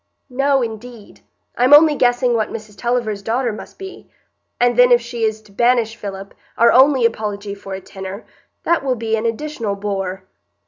"No, indeed; I'm only guessing what Mrs Tulliver's daughter must be; and then if she is to banish Philip, our only apology for a tenor, that will be an additional bore."